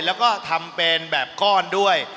แล้วก็ทำเป็นแบบก้อนด้วย